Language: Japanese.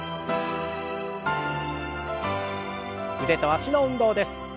腕と脚の運動です。